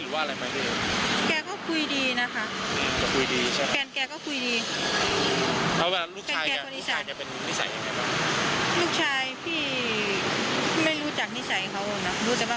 เวลาเข้ามา๑นาทีค่าทีเขาเป็นอย่างไรบ้าง